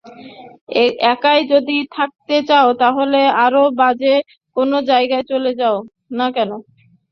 একাই যদি থাকতে চাও, তাহলে আরও বাজে কোনো জায়গায় যাচ্ছ না কেন?